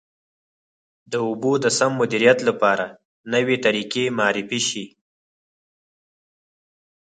د اوبو د سم مدیریت لپاره نوې طریقې معرفي شي.